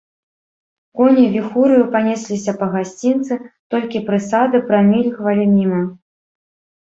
Коні віхураю панесліся па гасцінцы, толькі прысады прамільгвалі міма.